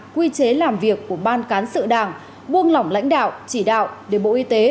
quy chế làm việc của ban cán sự đảng buông lỏng lãnh đạo chỉ đạo để bộ y tế